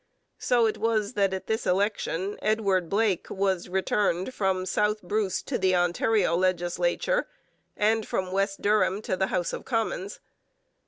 So it was that at this election Edward Blake was returned from South Bruce to the Ontario legislature and from West Durham to the House of Commons.